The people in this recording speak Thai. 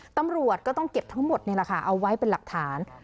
ตำรวจก็ต้องเก็บทั้งหมดนี่แหละค่ะเอาไว้เป็นหลักฐาน